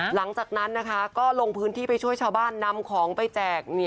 หลังจากนั้นนะคะก็ลงพื้นที่ไปช่วยชาวบ้านนำของไปแจก